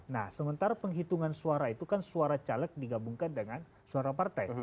nah sementara penghitungan suara itu kan suara caleg digabungkan dengan suara partai